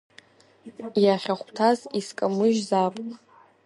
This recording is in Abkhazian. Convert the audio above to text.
Иахьахәҭаз изкамыжьзаап.